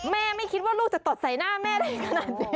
แม่ไม่คิดว่าลูกจะตดใส่หน้าแม่ได้๖